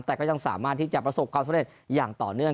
แต่ก็ยังสามารถที่จะประสบความสำเร็จอย่างต่อเนื่อง